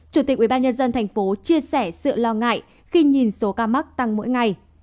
chủ tịch ubnd tp chia sẻ sự lo ngại khi nhìn số ca mắc tăng mỗi ngày